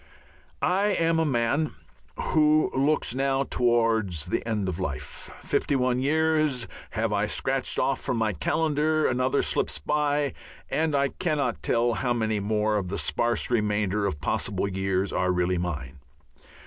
I am a man who looks now towards the end of life; fifty one years have I scratched off from my calendar, another slips by, and I cannot tell how many more of the sparse remainder of possible years are really mine.